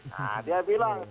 nah dia bilang